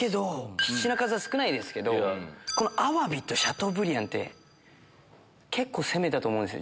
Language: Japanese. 品数は少ないですけどアワビとシャトーブリアンって攻めたと思うんです